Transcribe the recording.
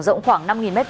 rộng khoảng năm m hai